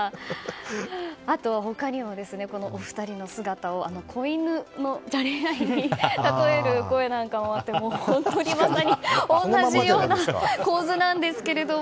あと他には、このお二人の姿を子犬のじゃれ合いにたとえる声なんかもあって本当に同じような構図なんですが。